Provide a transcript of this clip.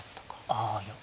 ああいや。